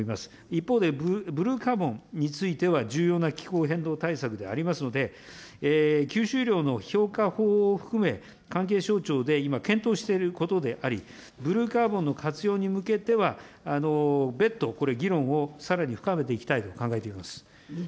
一方でブルーカーボンについては、重要な気候変動対策でありますので、吸収量の評価法を含め、関係省庁で今、検討していることであり、ブルーカーボンの活用に向けては、別途これ、議論をさらに深めていきたいと考えています。